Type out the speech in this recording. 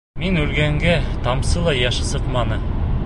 Мин үлгәнгә тамсы ла йәше сыҡманы.